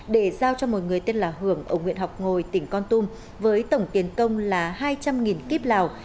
để giao cho một người tên là hưởng ông nguyễn học ngồi tỉnh con tum với tổng tiền công là hai trăm linh kip lào